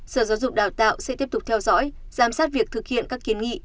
sở giáo dục đào tạo sẽ tiếp tục theo dõi giám sát việc thực hiện các kiến nghị